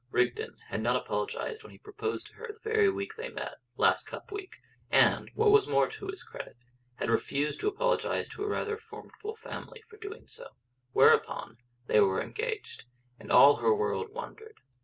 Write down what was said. Rigden had not apologised when he proposed to her the very week they met (last Cup week), and, what was more to his credit, had refused to apologise to her rather formidable family for so doing. Whereupon they were engaged, and all her world wondered.